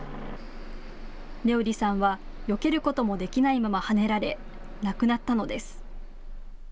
音織さんはよけることもできないままはねられ、亡くなったのです。